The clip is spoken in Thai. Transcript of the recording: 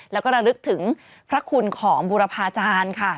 และระลึกถึงพระคุณของบุรพาจานค่ะ